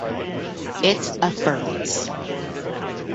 It affirms.